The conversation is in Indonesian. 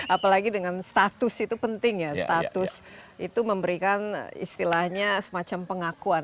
apalagi dengan status itu penting ya status itu memberikan istilahnya semacam pengakuan